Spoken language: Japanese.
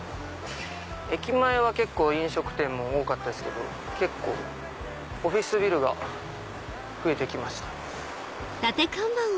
駅前は飲食店も多かったですけど結構オフィスビルが増えて来ました。